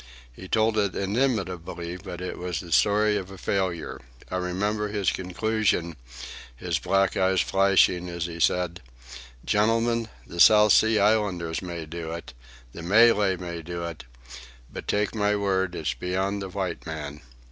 He told it inimitably, but it was the story of a failure. I remember his conclusion, his black eyes flashing as he said, 'Gentlemen, the South Sea Islander may do it, the Malay may do it, but take my word it's beyond the white man.